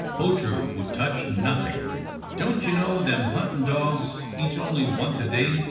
Poacher would touch nothing. "Don't ye know them huntin' dogs eats only once a day?"